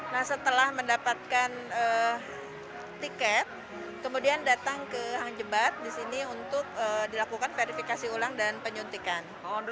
nah setelah mendapatkan tiket kemudian datang ke hang jebat di sini untuk dilakukan verifikasi ulang dan penyuntikan